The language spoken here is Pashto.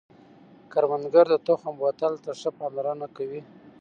کروندګر د تخم بوتل ته ښه پاملرنه کوي